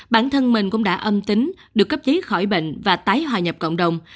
bản thân mình cũng đã âm tính được cấp trí khỏi bệnh và tái hòa nhập cộng đồng